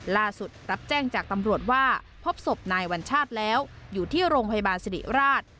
รับแจ้งจากตำรวจว่าพบศพนายวัญชาติแล้วอยู่ที่โรงพยาบาลสิริราช